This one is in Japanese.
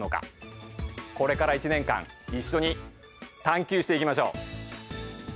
これから１年間一緒に探究していきましょう。